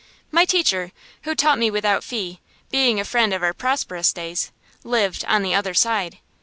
My teacher, who taught me without fee, being a friend of our prosperous days, lived "on the other side."